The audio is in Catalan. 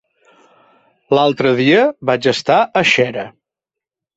L'altre dia vaig estar a Xera.